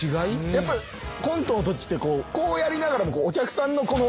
やっぱコントのときってこうやりながらもお客さんのこの。